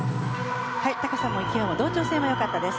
高さも勢いも同調性も良かったです。